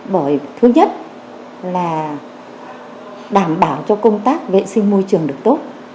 bởi thứ nhất là đảm bảo cho công tác vệ sinh môi trường được tốt